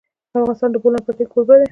افغانستان د د بولان پټي کوربه دی.